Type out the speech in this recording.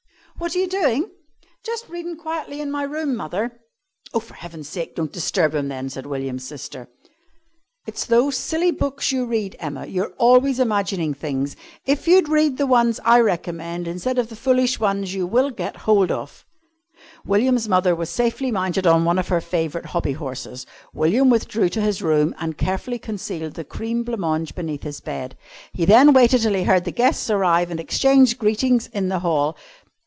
"What are you doing?" "Jus' readin' quietly in my room, mother." "Oh, for heaven's sake don't disturb him, then," said William's sister. "It's those silly books you read, Emma. You're always imagining things. If you'd read the ones I recommend, instead of the foolish ones you will get hold of " William's mother was safely mounted on one of her favourite hobby horses. William withdrew to his room and carefully concealed the cream blanc mange beneath his bed. He then waited till he heard the guests arrive and exchange greetings in the hall.